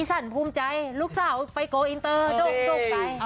อ๋ออีสันภูมิใจลูกสาวไปโก้อินเตอร์โดบไป